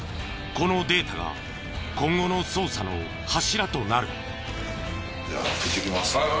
このデータが今後の捜査の柱となる。